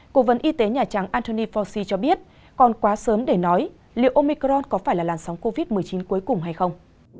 cố vấn y tế nhà trắng anthony fauci cho biết còn quá sớm để nói liệu omicront có phải là làn sóng covid một mươi chín cuối cùng hay không